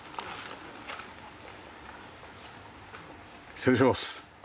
失礼します。